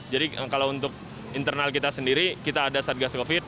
jadi kalau untuk internal kita sendiri kita ada satgas covid sembilan belas